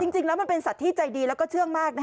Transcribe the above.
จริงแล้วมันเป็นสัตว์ที่ใจดีแล้วก็เชื่องมาก